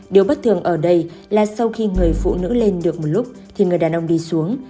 điều bất thường ở đây là sau khi người phụ nữ lên được một lúc thì người đàn ông đi xuống